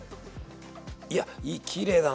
いやきれいだな。